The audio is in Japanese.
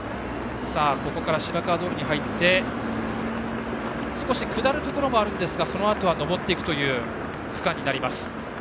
ここから白川通に入って少し下るところもあるんですがそのあとは上っていく区間です。